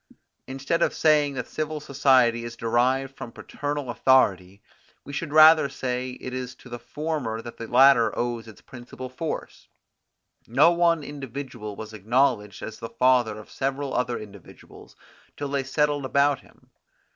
Instead of saying that civil society is derived from paternal authority, we should rather say that it is to the former that the latter owes its principal force: No one individual was acknowledged as the father of several other individuals, till they settled about him.